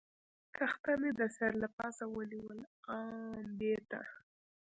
تخته مې د سر له پاسه ونیول، آن دې ته.